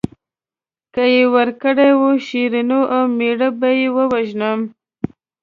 که یې ورکړې وه شیرینو او مېړه به یې ووژنم.